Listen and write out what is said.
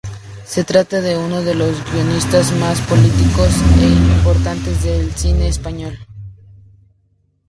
Se trata de uno de los guionistas más prolíficos e importantes del cine español.